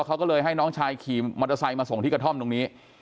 เขาก็เลยให้น้องชายขี่มอเตอร์ไซค์มาส่งที่กระท่อมตรงนี้